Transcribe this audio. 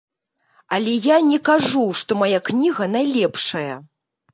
Але я не кажу, што мая кніга найлепшая.